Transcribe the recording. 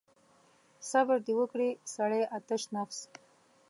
صبر دې وکړي سړی آتش نفس.